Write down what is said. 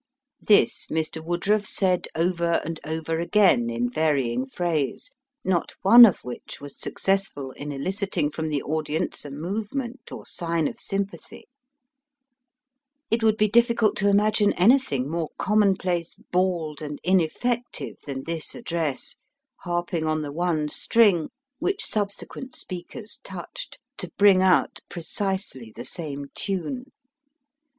This Mr. Woodruff said over and over again in varying phrase, not one of which was successful in eliciting from the audience a movement or sign of sympathy. It would be difficult to imagine anything more common place, bald, and ineffective than this address, harping on the one string which subsequent speakers touched, to bring out precisely the Digitized by VjOOQIC THE CITY OF THE SAINTS. 101 same tune.